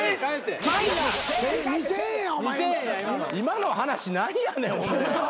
今の話何やねんほんで。